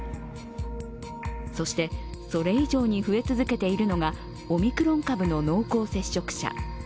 そして、それ以上に増え続けているのがオミクロン株の濃厚接触者。